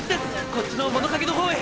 こっちの物陰のほうへ！